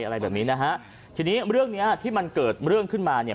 อะไรแบบนี้นะฮะทีนี้เรื่องเนี้ยที่มันเกิดเรื่องขึ้นมาเนี่ย